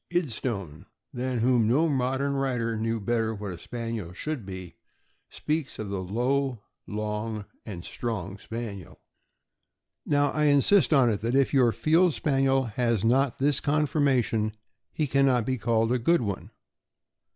"Idstone," than whom no modern writer knew better what a Spaniel should be, speaks of the '' low, long, and strong Spaniel." Now, I insist on it, that if your Field Spaniel has not this conformation, he can not be called a good one.